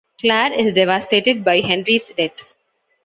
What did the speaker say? Clare is devastated by Henry's death.